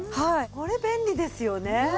これ便利ですよね。